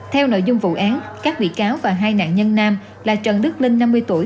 theo nội dung vụ án các bị cáo và hai nạn nhân nam là trần đức linh năm mươi tuổi